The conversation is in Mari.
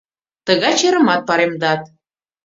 Тыгай черымат паремдат.